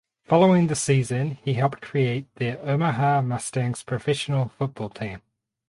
Following the season he helped create the Omaha Mustangs professional football team.